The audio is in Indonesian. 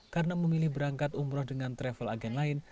karena memilih berangkat umroh dengan travel agen lain